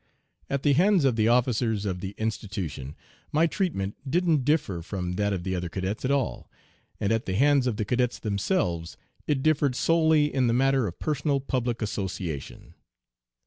At the hands of the officers of the institution my treatment didn't differ from that of the other cadets at all, and at the hands of the cadets themselves it differed solely "in the matter of personal public association."